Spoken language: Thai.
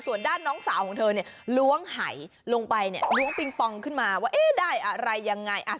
ส่วนด้านน้องสาวของเธอเนี่ยล้วงหายลงไปเนี่ยล้วงปิงปองขึ้นมาว่าเอ๊ะได้อะไรยังไง